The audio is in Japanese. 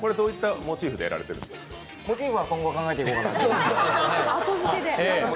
モチーフは今後、考えていこうかなと。